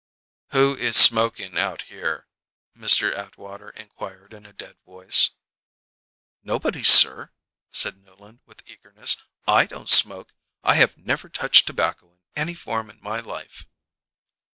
"Who is smoking out here?" Mr. Atwater inquired in a dead voice. "Nobody, sir," said Newland with eagerness. "I don't smoke. I have never touched tobacco in any form in my life."